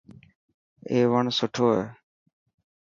اي وڻ سٺو هي.